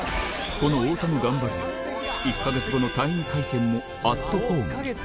この太田の頑張りで、１か月後の退院会見もアットホームに。